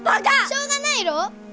しょうがないろう！